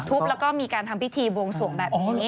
แล้วก็มีการทำพิธีบวงสวงแบบนี้